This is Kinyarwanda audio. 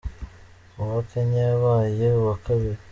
Uwa Kenya yabaye uwa kabiri.